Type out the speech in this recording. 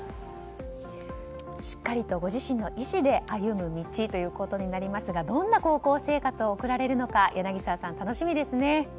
しっかりと、ご自身の意思で歩む道ということになりますがどんな高校生活を送られるのか柳澤さん